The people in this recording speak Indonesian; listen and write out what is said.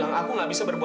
nggak ada dewi